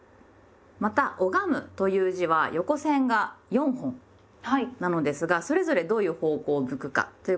また「拝む」という字は横線が４本なのですがそれぞれどういう方向を向くか？ということで実際に書きます。